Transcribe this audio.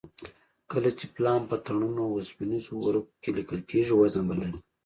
کله چې پلان په ټنونو اوسپنیزو ورقو کې لیکل کېږي وزن به لري